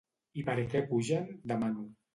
I per què pugen?, demano.